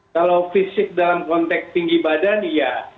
kalau fisik dalam konteks tinggi badan ya